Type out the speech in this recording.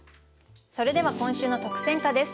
それでは今週の特選歌です。